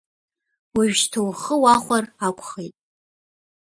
Уажәшьта ухы уахәар акәхеит.